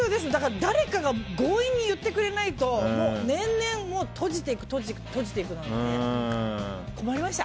誰かが強引に言ってくれないと年々閉じていくので、困りました。